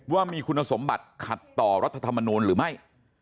ว่ามีคุณสมบัติขัดต่อรัฐธรรมนูลหรือไม่